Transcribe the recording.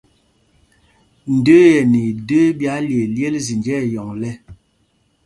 Ndə́ə́ ɛ nɛ idə́ə́ ɓī ályelyêl zinjá ɛyɔŋ lɛ̄.